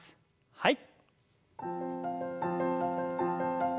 はい。